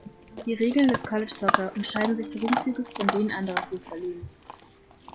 Die Regeln des College Soccer unterscheiden sich geringfügig von denen anderer Fußballligen.